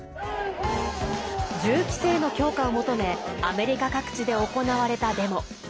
銃規制の強化を求めアメリカ各地で行われたデモ。